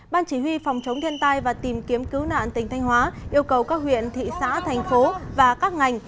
ban chỉ huy phòng chống thiên tai và tìm kiếm cứu nạn tỉnh thanh hóa yêu cầu các huyện thị xã thành phố và các ngành